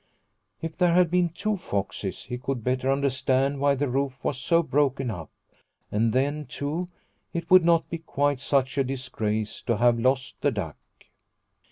If there had been two foxes he could better understand why the roof was so broken up, and then, too, it would not be quite such a disgrace to have lost the duck.